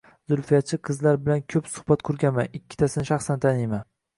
Zulfiyachi qizlar bilan ko‘p suhbat qurganman, ikkitasini shaxsan taniyman.